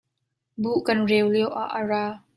Buh kan reu lioah a ra.